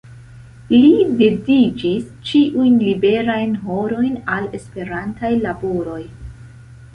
Li dediĉis ĉiujn liberajn horojn al Esperantaj laboroj.